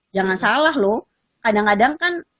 jangan salah loh kadang kadang kan